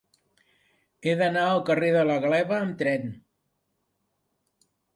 He d'anar al carrer de la Gleva amb tren.